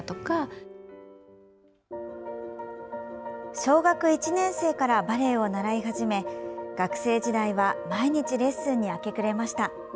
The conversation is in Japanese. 小学１年生からバレエを習い始め学生時代は毎日レッスンに明け暮れました。